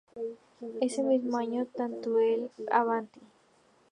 Ese mismo año, tanto en el "Avanti!